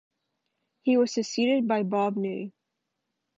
He was succeeded by Bob Ney.